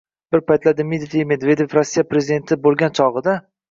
Bir paytlar Dmitriy Medvedev, Rossiya prezidenti bo‘lgan chog‘ida